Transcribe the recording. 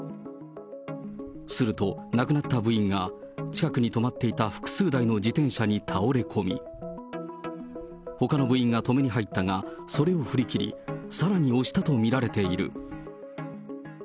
すると、亡くなった部員が、近くに止まっていた複数台の自転車に倒れ込み、ほかの部員が止めに入ったが、それを振りきり、さらに押したと見られている。